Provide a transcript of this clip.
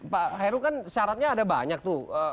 pak heru kan syaratnya ada banyak tuh